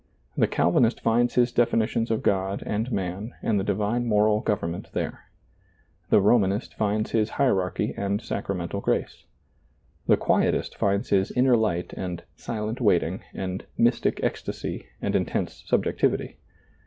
The Calvinist finds his defi nitions of God and man and the divine moral gov ernment there. The Romanist finds his hierarchy and sacramental grace. The Quietist finds his inner light and " silent waiting " and " mystic ec stasy " and intense subjectivity.